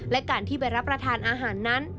และการที่ไปรับประทานอาหารนั้น